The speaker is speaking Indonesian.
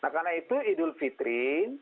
karena itu idul fitri